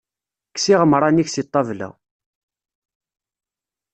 Kkes iɣemran-ik seg ṭṭabla.